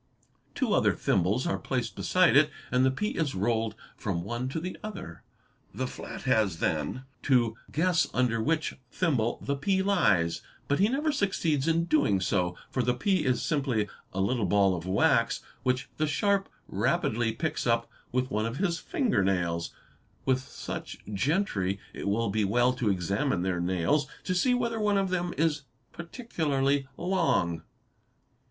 Two other thimbles are placed beside it and the pea is rolled from one to the other. The flat has then to guess under which thimble the pea lies, but he never succeeds in doing so, for the pea is simply a little ball of wax which the sharp rapidly picks up with one of his fingernails. ~With such gentry it will be well to examine their nails to see whether one of them is particularly long.